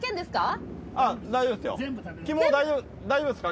大丈夫ですか？